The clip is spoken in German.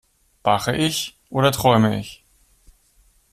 Wache ich oder träume ich?